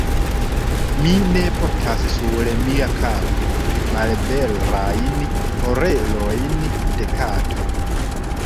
Mi ne portas sur mia kapo malverajn orelojn de kato.